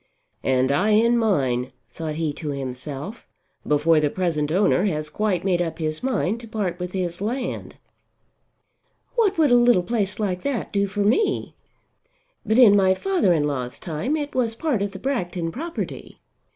And I in mine, thought he to himself, before the present owner has quite made up his mind to part with his land. "What would a little place like that do for me? But in my father in law's time it was part of the Bragton property.